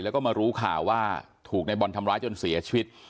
แล้วก็มารู้ข่าวว่าถูกในบอลทำร้ายจนเสียชีวิต